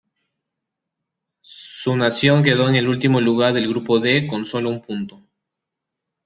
Su nación quedó en el último lugar del grupo D con solo un punto.